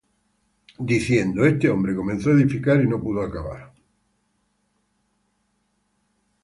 Diciendo: Este hombre comenzó á edificar, y no pudo acabar.